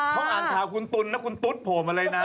เขาอ่านข่าวคุณตุ๋นนะคุณตุ๊ดผมอะไรนะ